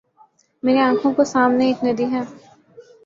میرے آنکھوں کو سامنے ایک ندی ہے